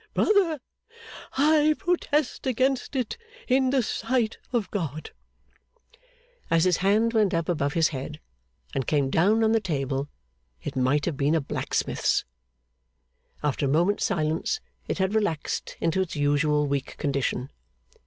Brother, I protest against it in the sight of God!' As his hand went up above his head and came down on the table, it might have been a blacksmith's. After a few moments' silence, it had relaxed into its usual weak condition.